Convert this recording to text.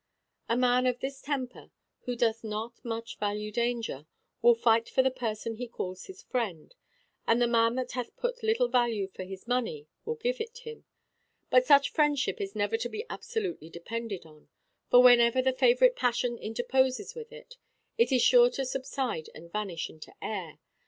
A man of this temper, who doth not much value danger, will fight for the person he calls his friend, and the man that hath but little value for his money will give it him; but such friendship is never to be absolutely depended on; for, whenever the favourite passion interposes with it, it is sure to subside and vanish into air.